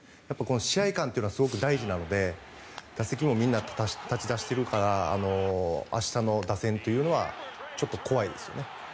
試合勘というのはすごく大事なので打席にもみんな立ち始めているから明日の打線というのはちょっと怖いですよね。